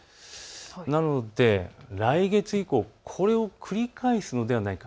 なので来月以降、これを繰り返すのではないか。